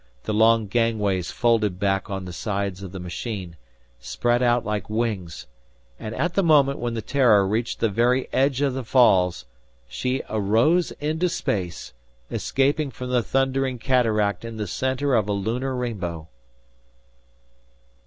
The long gangways folded back on the sides of the machine, spread out like wings, and at the moment when the "Terror" reached the very edge of the falls, she arose into space, escaping from the thundering cataract in the center of a lunar rainbow.